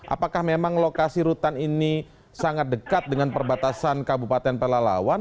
apakah memang lokasi rutan ini sangat dekat dengan perbatasan kabupaten pelalawan